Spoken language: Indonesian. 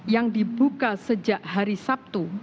yang dibuka sejak hari sabtu